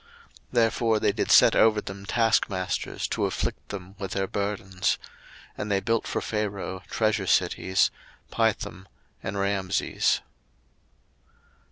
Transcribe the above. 02:001:011 Therefore they did set over them taskmasters to afflict them with their burdens. And they built for Pharaoh treasure cities, Pithom and Raamses.